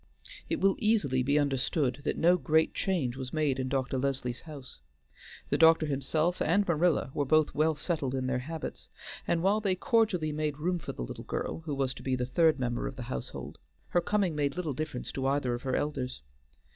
It will easily be understood that no great change was made in Dr. Leslie's house. The doctor himself and Marilla were both well settled in their habits, and while they cordially made room for the little girl who was to be the third member of the household, her coming made little difference to either of her elders.